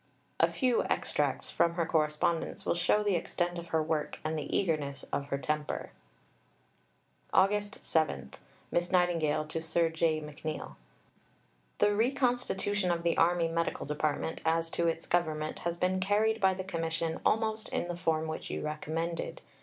A few extracts from her correspondence will show the extent of her work and the eagerness of her temper: August 7 (Miss Nightingale to Sir J. McNeill). The reconstitution of the Army Medical Department as to its government has been carried by the commission almost in the form which you recommended.